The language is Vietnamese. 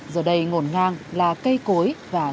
giờ đây ngổn ngang là cây cối